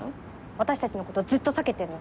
私たちのことずっと避けてんの？